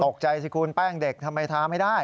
ตกใจสิคุณแป้งเด็กทำไมทาไม่ได้